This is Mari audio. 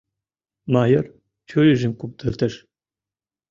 Майор чурийжым куптыртыш.